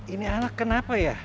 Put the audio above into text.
ini anak kenapa ya